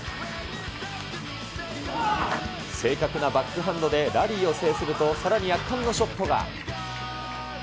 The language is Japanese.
正確なバックハンドでラリーを制すると、さらに圧巻のショットが。